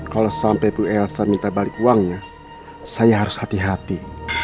kalau sampai bu elsa minta balik uangnya saya harus hati hati